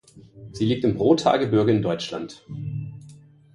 Sie liegt im Rothaargebirge in Deutschland.